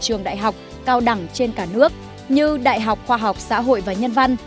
trường đại học cao đẳng trên cả nước như đại học khoa học xã hội và nhân văn